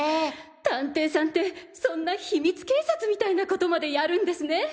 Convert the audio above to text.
探偵さんってそんな秘密警察みたいな事までやるんですね。